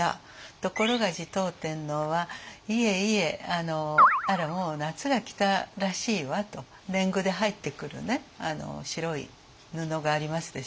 ところが持統天皇は「いえいえもう夏が来たらしいわ」と。年貢で入ってくる白い布がありますでしょ。